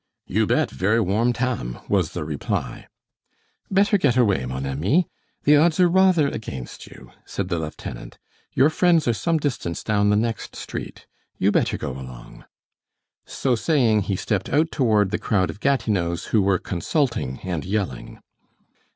"You bet! Ver' warm tam," was the reply. "Better get away, mon ami. The odds are rather against you," said the lieutenant. "Your friends are some distance down the next street. You better go along." So saying, he stepped out toward the crowd of Gatineaus who were consulting and yelling.